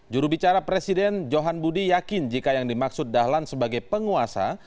jurubicara presiden johan budi yakin jika yang dimaksud dahlan sebagai penguasa